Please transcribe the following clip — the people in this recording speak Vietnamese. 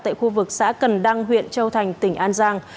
tại khu vực xã cần đăng huyện châu thành tỉnh an giang